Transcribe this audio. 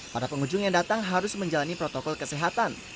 para pengunjung yang datang harus menjalani protokol kesehatan